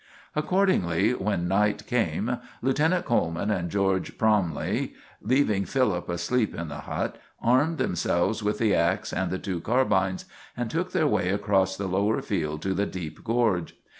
Accordingly, when night came, Lieutenant Coleman and George Bromley, leaving Philip asleep in the hut, armed themselves with the ax and the two carbines, and took their way across the lower field to the deep gorge.